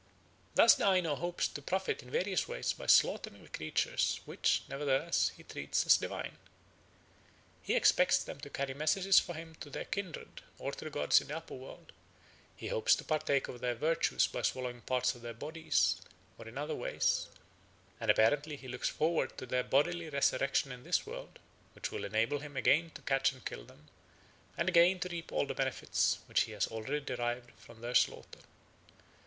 Thus the Aino hopes to profit in various ways by slaughtering the creatures, which, nevertheless, he treats as divine. He expects them to carry messages for him to their kindred or to the gods in the upper world; he hopes to partake of their virtues by swallowing parts of their bodies or in other ways; and apparently he looks forward to their bodily resurrection in this world, which will enable him again to catch and kill them, and again to reap all the benefits which he has already derived from their slaughter.